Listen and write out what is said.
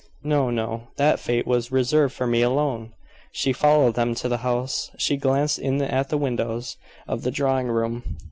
No, no; that fate was reserved for me alone!" She followed them to the house she glanced in at the windows of the drawing room.